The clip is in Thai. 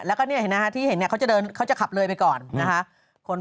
ถ้าเข้าทางนี้เบอร์ทางกลับไปก่อนนะคะ